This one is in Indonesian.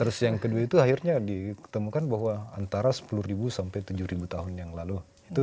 terus yang kedua itu akhirnya ditemukan bahwa antara sepuluh sampai tujuh tahun yang lalu